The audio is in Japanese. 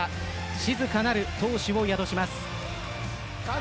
静かなる闘志を宿します。